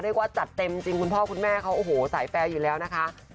เรียกว่าจัดเต็มจริงคุณพ่อคุณแม่เขาโอ้โหใส่แฟลอยู่แล้วนะคะ